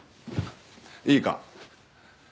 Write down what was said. いいか？